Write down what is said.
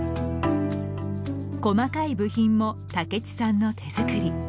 細かい部品も武智さんの手作り。